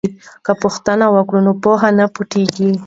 که پوښتنه وي نو پوهه نه پټیږي.